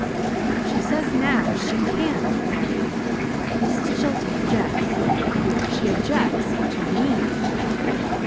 "She says now she can't marry me. Mrs. Chilton objects. She objects to ME."